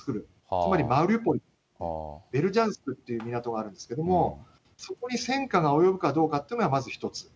つまりマリウポリ、という港があるんですけれども、そこに戦火が及ぶかどうかっていうのがまず一つ。